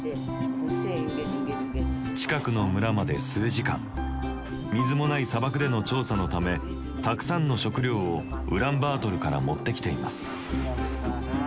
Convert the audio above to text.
近くの村まで数時間水もない砂漠での調査のためたくさんの食料をウランバートルから持ってきています。